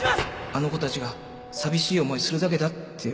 「あの子たちが寂しい思いするだけだ」って言われて